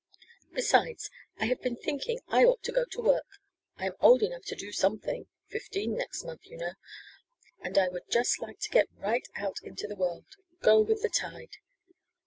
Besides I have been thinking I ought to go to work. I am old enough to do something fifteen next month you know and I would just like to get right out into the world go with the tide."